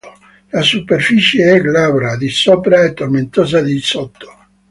La superficie è glabra di sopra e tomentosa di sotto.